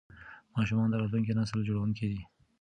ماشومان د راتلونکي نسل جوړونکي دي.